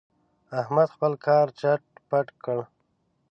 احمد خپل کار چټ پټ کړ.